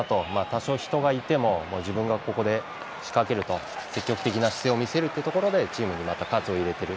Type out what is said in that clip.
多少、人がいても自分がここで仕掛けると積極的な姿勢を見せるということでチームにまた活を入れている。